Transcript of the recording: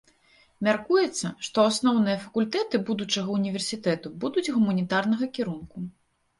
Мяркуецца, што асноўныя факультэты будучага ўніверсітэта будуць гуманітарнага кірунку.